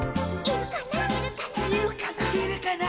「いるかな」